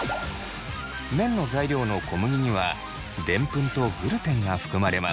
麺の材料の小麦にはデンプンとグルテンが含まれます。